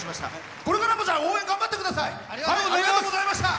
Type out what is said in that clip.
これからも応援頑張ってください。